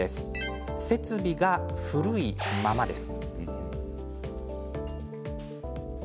設備が古いままです。